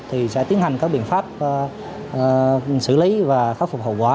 thì sẽ tiến hành các biện pháp xử lý và khắc phục hậu quả